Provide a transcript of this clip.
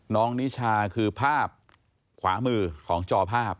นิชาคือภาพขวามือของจอภาพ